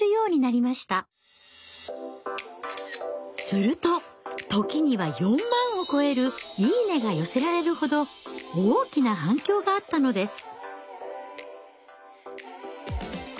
すると時には４万を超える「いいね」が寄せられるほど大きな反響があったのです。